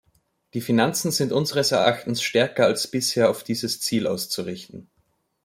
Die Finanzen sind unseres Erachtens stärker als bisher auf dieses Ziel auszurichten.